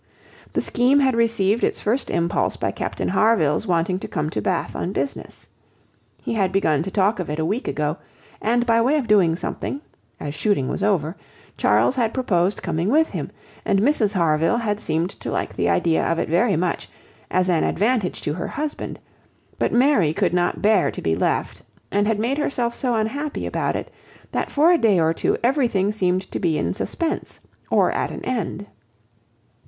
The scheme had received its first impulse by Captain Harville's wanting to come to Bath on business. He had begun to talk of it a week ago; and by way of doing something, as shooting was over, Charles had proposed coming with him, and Mrs Harville had seemed to like the idea of it very much, as an advantage to her husband; but Mary could not bear to be left, and had made herself so unhappy about it, that for a day or two everything seemed to be in suspense, or at an end.